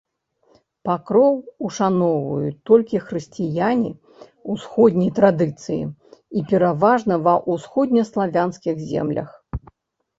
Пакроў ушаноўваюць толькі хрысціяне ўсходняй традыцыі і пераважна ва ўсходнеславянскіх землях.